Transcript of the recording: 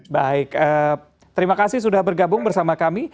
baik terima kasih sudah bergabung bersama kami